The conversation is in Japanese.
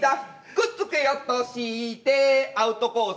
くっつけようとしてアウトコース